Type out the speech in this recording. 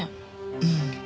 うん。